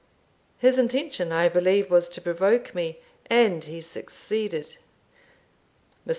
His intention, I believe, was to provoke me, and he succeeded. "Mr.